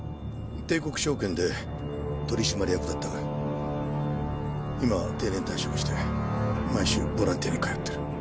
帝国証券で取締役だったが今は定年退職して毎週ボランティアに通ってる。